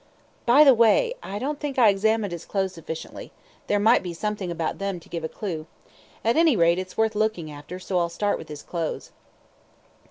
By the way, I don't think I examined his clothes sufficiently, there might be something about them to give a clue; at any rate it's worth looking after, so I'll start with his clothes."